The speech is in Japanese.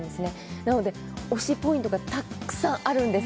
なので推しポイントがたくさんあるんです。